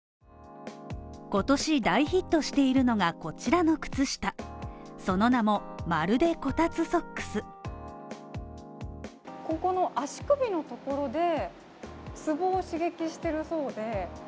今年大ヒットしているのがこちらの靴下、その名もまるでこたつソックスここの足首のところで、つぼを刺激してるそうで。